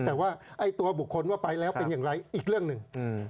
แต่ว่าไอ้ตัวบุคคลว่าไปแล้วเป็นอย่างไรอีกเรื่องหนึ่ง